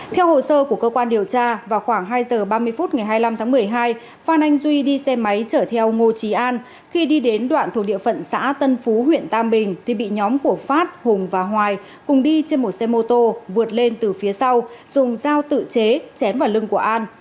theo hồ sơ của cơ quan điều tra vào khoảng hai giờ ba mươi phút ngày hai mươi năm tháng một mươi hai phan anh duy đi xe máy chở theo ngô trí an khi đi đến đoạn thuộc địa phận xã tân phú huyện tam bình thì bị nhóm của phát hùng và hoài cùng đi trên một xe mô tô vượt lên từ phía sau dùng dao tự chế chém vào lưng của an